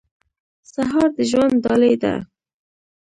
سهار د ژوند ډالۍ ده.